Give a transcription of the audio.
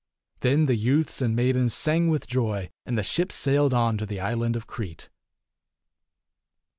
Then the youths and maidens sang with joy, and the ship sailed on to the island of Crete.